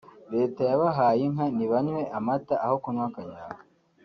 Leta yabahaye inka nibanywe amata aho kunywa kanyanga